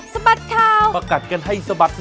สวัสดีครับ